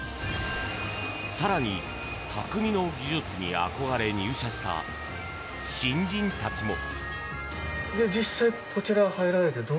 更に、たくみの技術に憧れ入社した新人たちも。